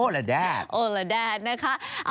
โอลาแดดโอลาแดดนะคะ